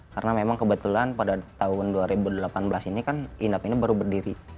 karena memang kebetulan pada tahun dua ribu delapan belas ini kan inap ini baru berdiri